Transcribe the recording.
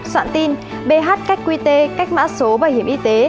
soạn tin bh cách qt cách mã số bảo hiểm y tế